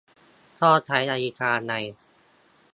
ก็ใช้นาฬิกาไง